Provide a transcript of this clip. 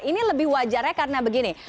ini lebih wajarnya karena begini